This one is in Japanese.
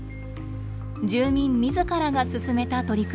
住民自らが進めた取り組み。